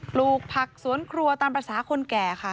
ลูกผักสวนครัวตามภาษาคนแก่ค่ะ